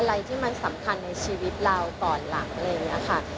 อะไรที่มันสำคัญในชีวิตเราก่อนหลังอะไรอย่างนี้ค่ะ